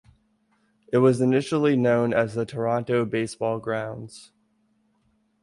It was initially known as the Toronto Baseball Grounds.